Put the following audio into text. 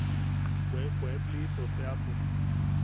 –Bwe, pueblito teapo.